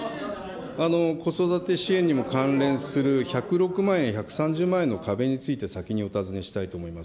子育て支援にも関連する１０６万円、１３０万円の壁について、先にお尋ねしたいと思います。